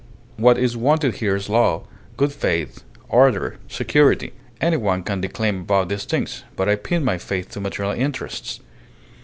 What is wanted here is law, good faith, order, security. Any one can declaim about these things, but I pin my faith to material interests.